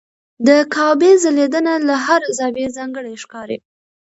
د کعبې ځلېدنه له هر زاویې ځانګړې ښکاري.